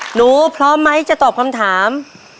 หนูพร้อมไหมจะตอบคำถาม